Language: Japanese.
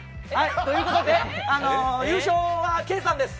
ということで優勝はケイさんです！